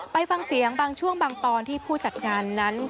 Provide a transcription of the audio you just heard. ไปฟังเสียงบางช่วงบางตอนที่ผู้จัดงานนั้น